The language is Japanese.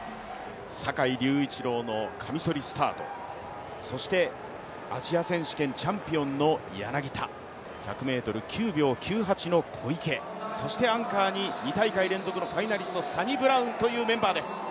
坂井隆一郎のカミソリスタート、そしてアジア選手権チャンピオンの柳田、１００ｍ９秒９８の小池、そしてアンカーに２大会連続のファイナリスト、サニブラウンです。